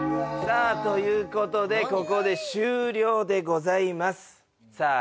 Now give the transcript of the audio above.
さあということでここで終了でございますさあ